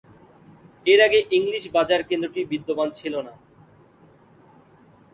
এর আগে ইংলিশ বাজার কেন্দ্রটি বিদ্যমান ছিল না।